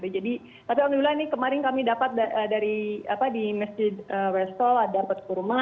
jadi tapi alhamdulillah ini kemarin kami dapat dari apa di masjid westol ada perkurma